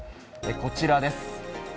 こちらです。